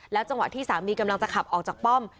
จังหวะที่สามีกำลังจะขับออกจากป้อม